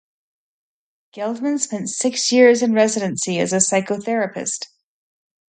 Geldman spent six years in residency as a psychotherapist.